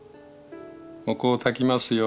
お香をたきますよ。